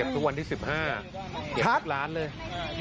เก็บทุกวันที่๑๕